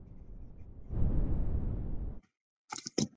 明洪武七年称先师庙。